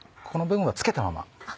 ここの部分をつけたまま。